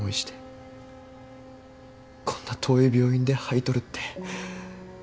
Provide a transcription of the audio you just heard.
こんな遠い病院で肺取るって。